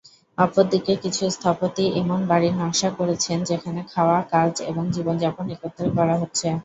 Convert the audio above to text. অপরদিকে, কিছু স্থপতি এমন বাড়ির নকশা করেছেন যেখানে খাওয়া, কাজ এবং জীবনযাপন একত্রে করা হচ্ছে।